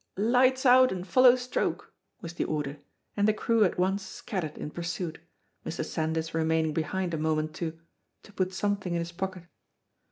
"Lights out and follow Stroke!" was the order, and the crew at once scattered in pursuit, Mr. Sandys remaining behind a moment to to put something in his pocket.